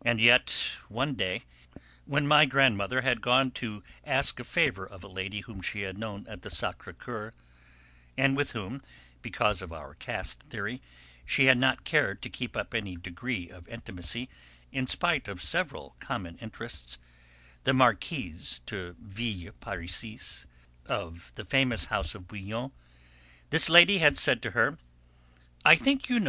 And yet one day, when my grandmother had gone to ask some favour of a lady whom she had known at the Sacré Coeur (and with whom, because of our caste theory, she had not cared to keep up any degree of intimacy in spite of several common interests), the Marquise de Villeparisis, of the famous house of Bouillon, this lady had said to her: "I think you know M.